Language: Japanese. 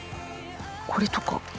これとか。